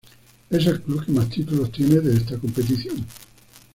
Es el club que más títulos tiene de está competición.